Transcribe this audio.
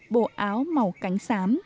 bộ áo màu cánh xám